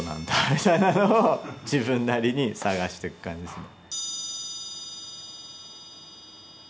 みたいなのを自分なりに探してく感じですね。